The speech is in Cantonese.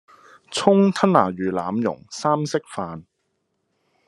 蔥吞拿魚腩茸三色飯